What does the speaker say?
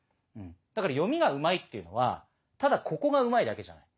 だから読みがうまいっていうのはただここがうまいだけじゃない。